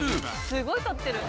すごい撮ってる。